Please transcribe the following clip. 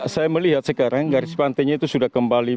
saya melihat sekarang garis pantainya itu sudah kembali